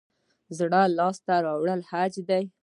زړه لاس ته راوړل حج دی